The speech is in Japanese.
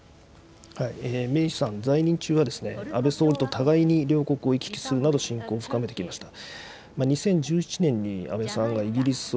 メイさん、在任中は安倍総理と互いに両国を行き来するなど、親交を深めていました。